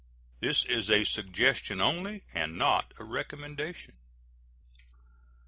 This is a suggestion only, and not a recommendation.